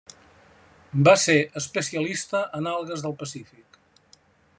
Va ser especialista en algues del Pacífic.